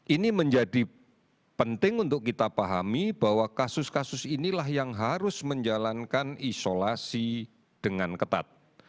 ini menjadi penting untuk kita pahami bahwa kasus kasus inilah yang harus menjalankan isolasi dengan ketat